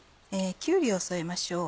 きゅうりを添えましょう。